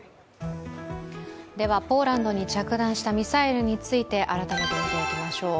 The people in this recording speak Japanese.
ポーランドに着弾したミサイルについて改めて見ていきましょう。